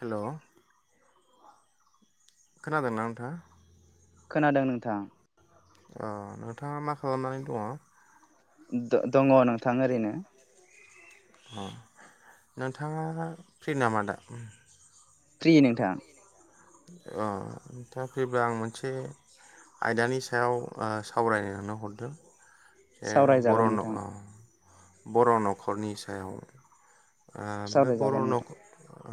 हेल' खोनादोंना नोंथांआ? खोनादों नोंथां अ नोंथाङा मा खालामनानै दङ? द-दङ नोंथां ओरैनो अ नोंथाङा फ्रि नामा दा? फ्रि नोंथां अ नोंथांङा फ्रिबा आं मोनसे आयदानि सायाव ओ सावरायनो नो हरदों। ए बरनन' अ बर' न'खरनि सायाव ओ बे बर' न'ख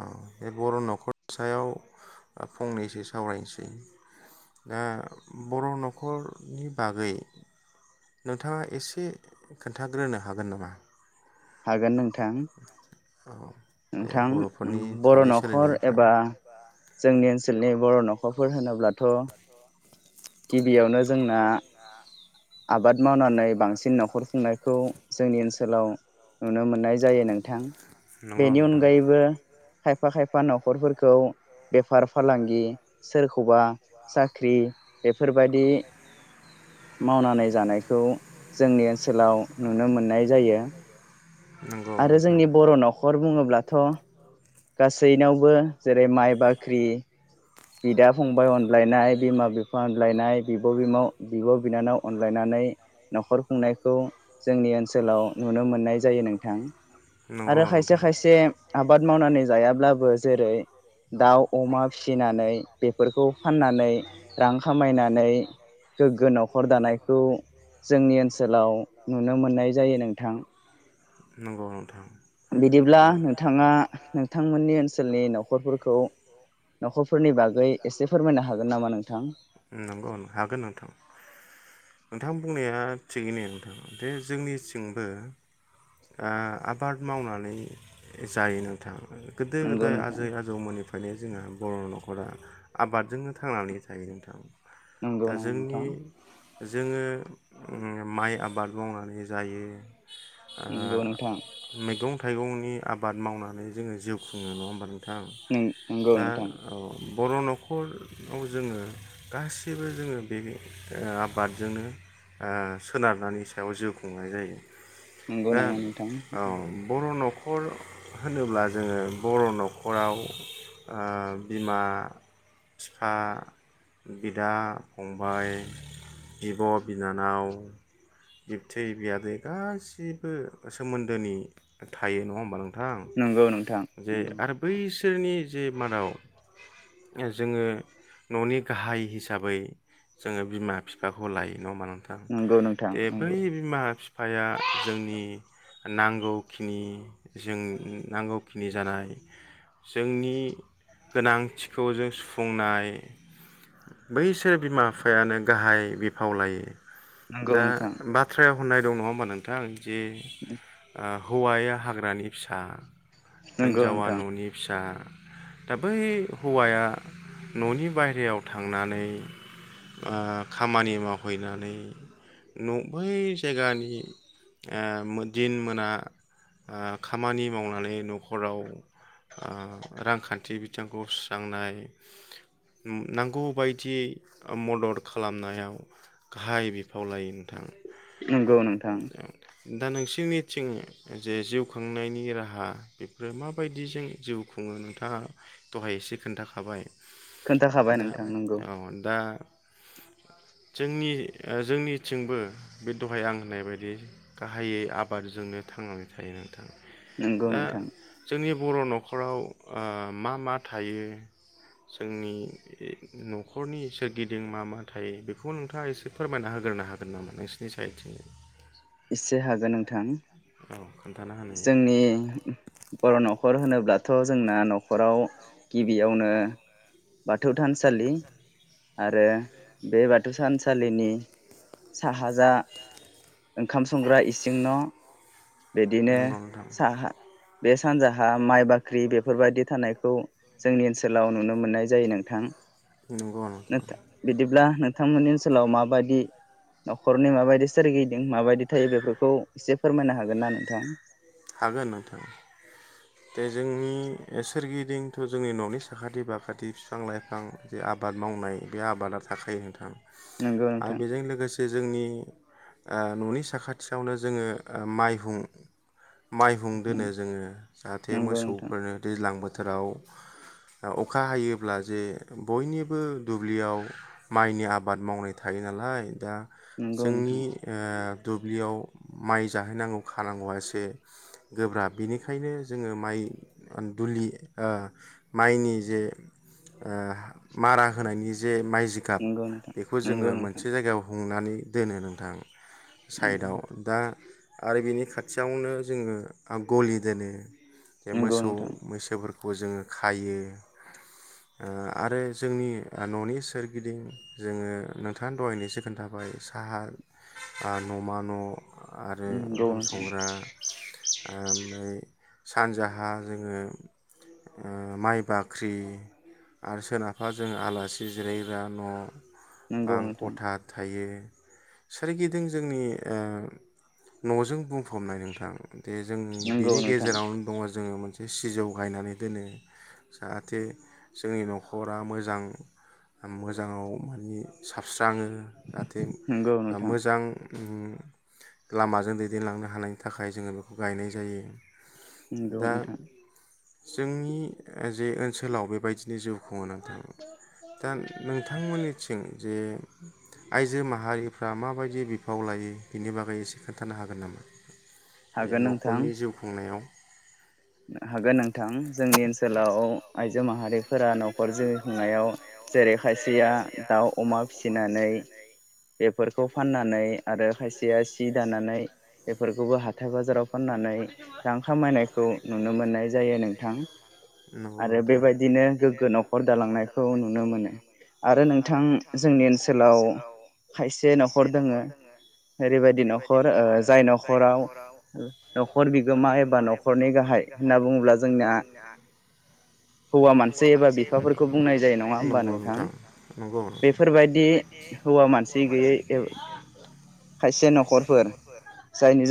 औ बे बर' न'खरनि सायाव फंनैसो सावरायनोसै दा बर' न'खरनि बागै नोंथाङा एसे खोन्थाग्रोनो हागोन नामा? हागोन नों थां नोंथां बर' न'खर एबा जोंनि ओनसोलनि बर' न' खरफोर होनोब्ला थ' गिबियावनो जोंना आबाद मावनानै बांसिन न'खर खुंनायखौ जोंनि ओनसोलाव नुनो मोननाय जायो नोंथां। बेनि अनगायैबो खायफा खाय फा न'खरफोरखौ बेफार फालांगि सोरखौबा साख्रि बेफोरबायदि मावनानै जानायखौ जोंनि ओनसोलाव नुनो मोननाय जायो। आरो जोंनि बर' न'खर बुङोब्लाथ' गासैनावबो जेरै माइ बाख्रि बिदा फंबाय अनलायनाय बिमा बिफा अनलायनाय बिब बिमाव बिब बिनानाव अनलायनानै न'खर खुंनायखौ जोंनि ओनसोलाव नुनो मोननाय जायो नोंथां। आरो खायसे खायसे आबाद मावनानै जायाब्लाबो जेरै दाउ अमा फि फिनानै बेफोरखौ फाननानै रां खामायनानै गोग्गो न'खर दानायखौ जोंनि ओनसोलाव नुनो मोननाय जायो नोंथां। नंगौ नोंथां। बिदिब्ला नोंथाङा नोंथांमोननि ओनसोल सोलनि न'खरफोरखौ न'खरफोरनि बागै एसे फोरमायनो हागोन नामा नोंथां? नोंथां बुंनाया थिगैनो नोंथां जे जोंनिथिंबो ओ आबाद मावनानै जायो नोंथां। गोदो गोदाय आजै आजौमोननिफ्रायनो जोंहा बर' न'ख बा आबादजोंनो थांनानै थायो नोंथां। नंगौ नोंथां। जोङो म-माइ आबाद मावनानै जायो। ओ मैगं थाइगंनि आबाद मावनानै जोङो जिउ खुङो नङा होमबा नों नों-नंगौ नोंथां। बर' न'खराव जोङो गासिबो जोङो बे ओ आबादजोंनो ओ सोनारनानै सायाव जिउ खुंनाय जायो। दा औ बर' न'ख खर' होनोब्ला जोङो बर' न'खराव ओ बिमा फिफा बिदा फंबाय बिब' बिनानाव बिबथै बियादै गासिबो सोमोन्दोनि थायो नङा होमबा नों नोंथां? जे आरो बैसोरनि जे मानाव जोङो न'नि गाहाय हिसाबै जोङो बिमा बिफाखौ लायो नङा होमबा नोंथां? दे बै बिमा बिफाया जोंनि नांगौखिनि जों नांगौ खिनि जानाय जोंनि गोनांथिखौ जों सुफुंनाय बैसोरो बिमा बिफायानो गाहाय बिफाव लायो। दा बाथ्रायाव खोनादों नङा होमबा नोंथा। जे आ हौवाया हाग्रानि फिसा। हिन्जावा ननि फिसा। दा बै हौवाया न'नि बायेरायाव थांनानै ओ खामानि मावहैनानै न बै जायगानि ओ दिन मोना ओ खामानि मावनानै नखराव ओ रांखान्थि बे बिथांखौ सुस्रांनाय नांगौ बायदियै मदद खालामनायाव गाहाय बिफाव लायो नोंथां। नंगौ नोंथां। दा नोंसिरनिथिं जे जिउ खांनायनि राहा बेफोरो माबायदिजों जिउ खुङो नोंथाङा। दहाय एसे खोन्थाखाबाय। दा औ दा। जोंनि जोंनिथिंबो बे दहाय आं होननाय बायदि गाहायै आबादजोंनो थांनानै थायो नोंथां। दा जोंनि बो बर' नखराव आ मा मा थायो जोंनि नख'रनि सोरगिदिं मा मा थायो बेखौ नोंथाङा एसे फोरमायना होग्रोनो हागोन नामा नोंसिोरनि साइडथिं? एसे हागोन नोंथां। जोंनि बरनाव न'खर होनोब्लाथ जोंना नखराव गिबियावनो बाथौ थानसालि आरो बे बाथौ थानसालिनि साहाजा ओंखाम संग्रा इसिं न'। बिदिनो साहा। बे सानजाहा माइ बाख्रि बेफोरबायदि थानायखौ जोंनि ओनसोलाव नुनो मोननाय जायो नोंथां। नोंथां बिदिब्ला नोंथांमोननि ओनसोलाव माबायदि? न'खरनि माबायदि सोरगिदों माबायदि थायो बेफोरखौ एसे फोरमायनो हागोन ना नों। नोंथां। हागोन नोंथां। दे जोंनि सोरगिदिंथ जोंनि न'नि साखाथि फाखाथि बिफां लाइफां जे आबाद मावनाय बे आबादा थाखायो नोंथां। आरो बेजों लोगोसे जोंनि ओ न'नि साखाथियावनो जोङो माइहुं माइहुं दोनो जोङो। जाहाथे मोसौफोरनो दैज्लां दैज्लां बोथोराव अखा हायोब्ला जे बयनिबो दुब्लियाव माइनि आबाद मावनाय थायो नालाय। दा जोंनि ओ दुब्लियाव माइ जाहैनांगौ खानांगौआ एसे गोब्राब बेनिखायनो जोङो माइ दुलि ओ माइनि जे ओ मारा होनायनि जे माइ जिगाब बेखौ जोङो मोनसे जायगायाव हुं हुंनानै दोनो नोंथां। साइडआव दा आरो बिनि खाथियावनो जोङो ग'लि दोनो जे मोसौ मैसोफोरखौ खौ जोङो खायो ओ आरो जोंनि ओ न'नि सोरगिदिं जोङो नोंथाङा दहायनो एसे खोन्थाबाय साहा ओ न'मा न' आरो ओंखाम संग्रा आमफाय सानजाहा जोङो ओ माइ बाख्रि आरो सोनाबा जों आलासि जिरायग्रा न' बां ख'था थायो सोरगिदिं जोंनि ओ न'जों बुंफबनाय नोंथां। दे जोंनि बिनि गेजेरावनो दङ जोङो मोनसे सिजौ गायनानै दोनो जाहाथे जोंनि न'खरा मोजां मोजाङाव मानि साफ स्राङो जाहाथे ओ मोजां ओम लामाजों दैदेनलांनो हानायनि थाखाय जोङो बेखौ गायनाय जायो। दा जोंनि जे ओन सोलाव बेबायदि नो जिउ खुङो नोंथां। दा नोंथांमोननिथिं जे आइजो माहारिफ्रा माबायदि बिफाव लायो बिनि बागै एसे खोन्थानो हागोन नामा? न'खरनि जि नायाव हागोन नोंथां जोंनि ओनसोलाव आइजो जो माहारि फोरा न'खर जिउ खुंनायाव जेरै खायसेया दाउ अमा फिसिनानै बेफोरखौ फाननानै आरो खायसेया सि दानानै बेफोरखौबो हाथाय बाज बाजाराव फाननानै रां खामायनायखौ नुनो मोननाय जायो नोंथां आरो बेबायदिनो गोग्गो न'खर दालांनायखौ नुनो मोनो आरो नोंथां जोंनि ओनसोलाव खायसे न'खर दोङो ओरैबादि न'खर ओ जाय न'खराव ओ न'खर बिगोमा गोमा एबा न'खरनि गाहाय होनना बुङोब्ला जोंनिया हौवा मानसि एबा बिफाफोरखौ बुंनाय जायो, नोंगौ नोंथां नंगौ नोंथां। बेफोरबायदि हौवा मानसि गैयै खायसे न'खरफोर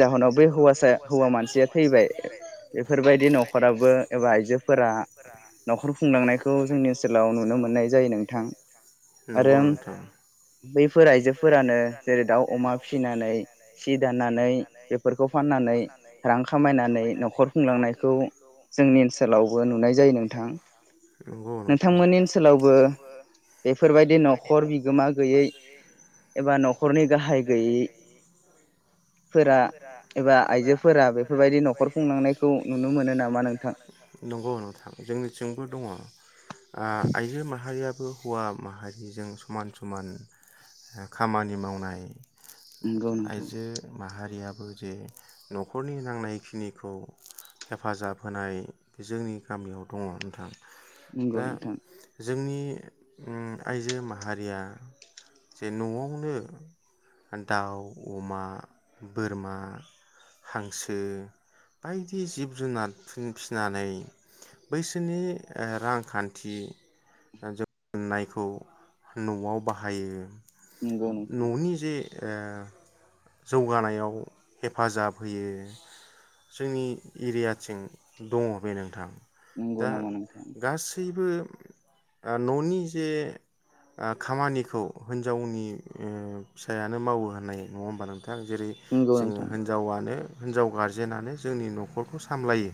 जायनि जाहोनाव बे हौवासाया हौवा मान सिया थैबाय बेफोरबायदि नखराबो एबा आइजोफोरा नखर खुंलांनायखौ जोंनि ओनसोलाव नुनो मोननाय जायो नोंथां आरो बैफोर आइजोफोरानो जेरै दाउ अमा फिसिनानै सि दानानै बेफोरखौ फाननानै रां खा खामायनानै नखर नखर खुंलांनायखौ जोंनि ओनसोलावबो नुनाय जायो नोंथां नोंगौ नोंथां नोंथांमोननि ओनसोलावबो बेफोरबायदि नखर बिगोमा गैयै एबा नखरनि गाहाय गैयै फोरा एबा आइजो फोरबायदि नखर खुंनांनाय खुंनायखौ नुनो मोनो नामा नोंथां नंगौ नोंथां जोंनिथिंबो दङ। आ आइजो माहारियाबो हौवा माहारिजों समान समान खामानि मावनाय आइजो माहा रिया बो जे न खरनि नांनाय खिनिखौ हेफाजाब होनाय जोंनि गामियाव दङ नोंथां। नंगौ नोंथां जोंनि उम आइजो माहारिया जे नआवनो दाउ, अमा, बोरमा हांसो बायदि जिब जुनार फि-फिनानै बैसोरनि आ रांखान्थि ज मोननायखौ नआव बाहायो। ननि जे आ जौगानायाव हेफाजाब होयो जोंनि एरियाथिं दङ बे नोंथां। दा गासैबो आ ननि जे आ खामानिखौ हिनजावनि फिसायानो मावो होननाय नङा होमबा नों थां जेरै जोङो हिनजावा ने हिनजाव गारजेनानो जोंनि नखरखौ सामलायो।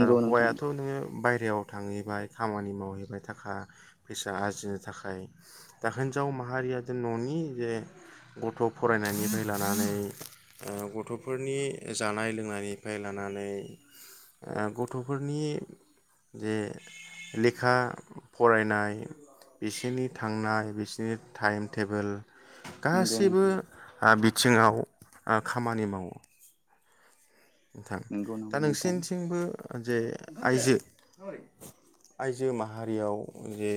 आरो हौवायाथ नोङो बाय रायाव थांहैबाय खामानि मावहैबाय थाखा फैसा आरजिनो थाखाय दा हिनजाव माहारिया जे ननि जे गथ फरायनायनिफ्राय लानानै आ गथ फोरनि जानाय लोंनायनिफ्राय लानानै गथफोरनि जे लेखा फरायनाय बिसोरनि थांनाय बिसोरनि टाइम टेबोल गासिबो आ बि थिङाव आ खामानि मावो। नोंथां दा नोंसिोरनिथिंबो जे आइजो आइजो माहारियाव जे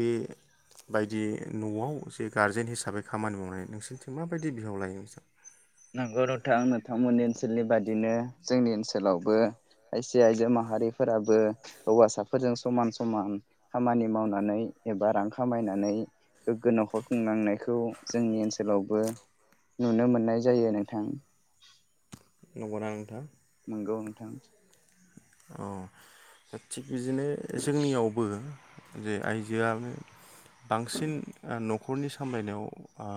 बेबायदि नआव जे गारजेन हिसाबै खामानि मावनाय नोंसोरनिथिं माबायदि बिहाव लायो नों नंगौ नोंथां नोंथांमोननि ओनसोलनि बादि दिनो जोंनि ओनसोलावबो खायसे आइजो माहारिफोराबो हौवासाफोरजों समान समान खामानि मावनानै एबा रां खामायनानै गोग्गो नखर खुंनांनायखौ जोंनि ओनसोलावबो नुनो मोननाय जायो नोंथां नंगौ ना नोंथां नंगौ नोंथां औ दा थिग बिदिनो जोंनियावबो जे आइजोआनो बांसिन आ नखरनि सामलायनायाव आ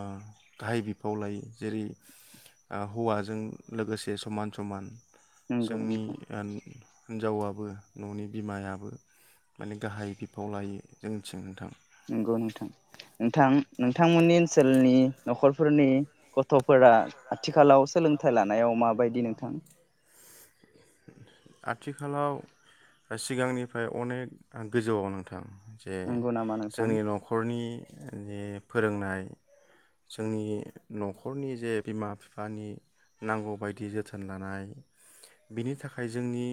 गाहाय बिफाव लायो जेरै आ हौवाजों लोगोसे समान समान जोंनि। हिनजावाबो ननि बिमायाबो माने गाहाय बिफाव लायो जोंनिथिं नोंथां। नंगौ नोंथां नोंथां नोंथांमोननि ओनसोलनि न'खर फोरनि गथ'फोरा आथिखालाव सोलोंथाइ लानायाव माबायदि नोंथां। आथिखालाव सिगांनिफ्राय अनेक गोजौआव नोंथां। जे जोंनि नख'रनि। जे फोरोंनाय जोंनि नखरनि जे बिमा बिफानि नांगौबायायदि जोथोन लानाय। बिनि थाखाय जोंनि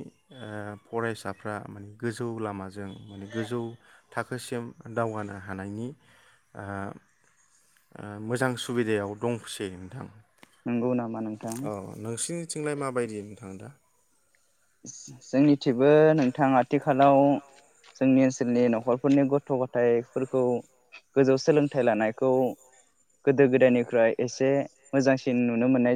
ओ फरायसाफ्रा माने गोजौ लामाजों माने गोजौ थाखोसिम दावगानो हानायनि ओ ओ मोजां सुबिदायाव दंसै नोंथां। औ नोंसिनिथिंलाय माबायदि नोंथां दा? जो-जोंनिथिंबो नोंथां आथिखालाव जोंनि ओनसोलनि न'खरफोरनि गथ' गथायाइफोरखौ गोजौ सोलोंथाइ लानायखौ गोदो गोदायनिफ्राय एसे मोजांसिन नुनो मोननाय।